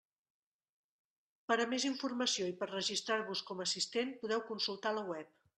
Per a més informació i per registrar-vos com a assistent podeu consultar la web.